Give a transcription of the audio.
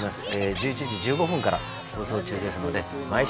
１１時１５分から放送中ですので毎週金曜日ぜひ。